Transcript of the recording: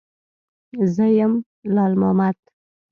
_زه يم، لال مامد.